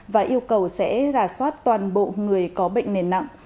và yêu cầu sẽ rà soát toàn bộ người có bệnh nền nặng